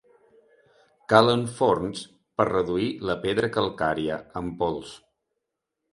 Calen forns per reduir la pedra calcària en pols.